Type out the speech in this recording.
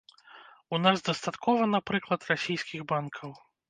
У нас дастаткова, напрыклад, расійскіх банкаў.